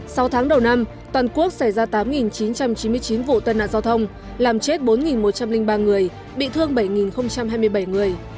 sau tháng đầu năm toàn quốc xảy ra tám chín trăm chín mươi chín vụ tai nạn giao thông làm chết bốn một trăm linh ba người bị thương bảy hai mươi bảy người